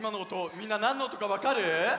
みんななんのおとかわかる？